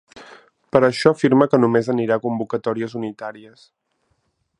Per això afirma que només anirà a convocatòries unitàries.